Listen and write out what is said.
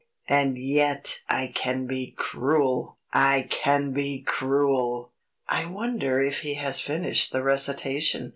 And yet I can be cruel! I can be cruel!" "I wonder if he has finished the recitation?